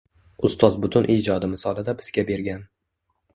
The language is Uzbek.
Ustoz butun ijodi misolida bizga bergan.